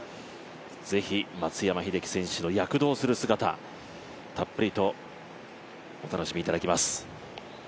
ぜひ松山英樹選手の躍動する姿たっぷりとお楽しみいただきます。